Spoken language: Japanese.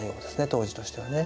当時としてはね。